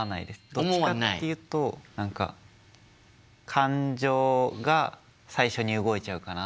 どっちかっていうと何か感情が最初に動いちゃうかなって。